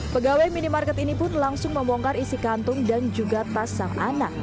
pegawai minimarket ini pun langsung membongkar isi kantung dan juga tas sang anak